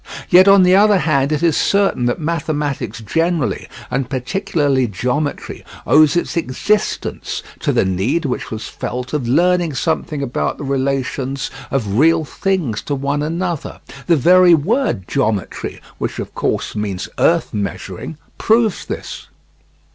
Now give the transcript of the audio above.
Yet on the other hand it is certain that mathematics generally, and particularly geometry, owes its existence to the need which was felt of learning something about the relations of real things to one another. The very word geometry, which, of course, means earth measuring, proves this.